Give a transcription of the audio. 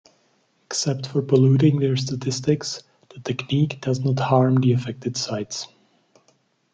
Except for polluting their statistics, the technique does not harm the affected sites.